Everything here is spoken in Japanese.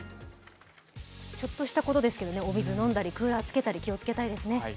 ちょっとしたことですけどね、お水飲んだりクーラーつけたり、気をつけたいですね。